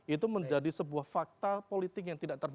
itu menjadi sebuah fakta politik yang tidak terjadi